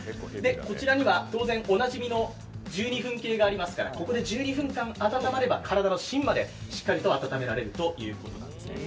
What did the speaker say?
こちらには当然おなじみの１２分計がありますからここで１２分間温まれば体の芯まで温まるということです。